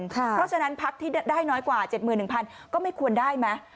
เพราะฉะนั้นพักที่ได้น้อยกว่า๗๑๐๐ก็ไม่ควรได้ไหม